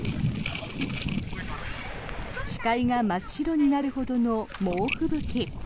視界が真っ白になるほどの猛吹雪。